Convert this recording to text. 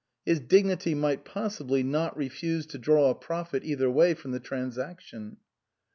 His dignity might possibly not refuse to draw a profit either way from the transaction.